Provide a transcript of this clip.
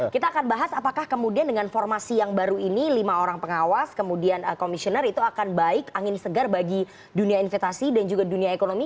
kita akan bahas apakah kemudian dengan formasi yang baru ini lima orang pengawas kemudian komisioner itu akan baik angin segar bagi dunia investasi dan juga dunia ekonomi